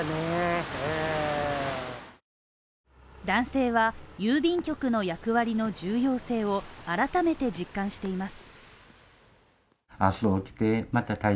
男性は郵便局の役割の重要性を改めて実感しています。